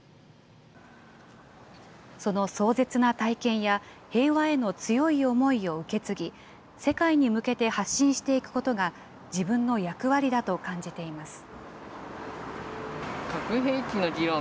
その壮絶な体験や、平和への強い思いを受け継ぎ、世界に向けて発信していくことが、自分の役割だと感じています。